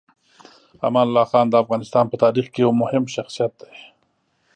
امان الله خان د افغانستان په تاریخ کې یو مهم شخصیت دی.